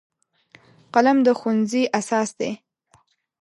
قلم د ښوونځي اساس دی